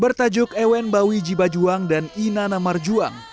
bertajuk ewen bawi jibajuang dan ina namarjuang